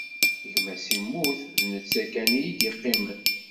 Gma-s immut, d netta kan i yi-d-iqqimen.